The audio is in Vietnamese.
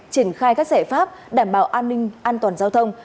triển khai các giải pháp đảm bảo an ninh an toàn giao thông